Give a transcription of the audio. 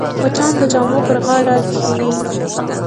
مچان د جامو پر غاړه کښېني